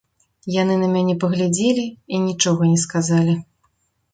Яны на мяне паглядзелі і нічога не сказалі.